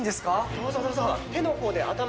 どうぞどうぞ。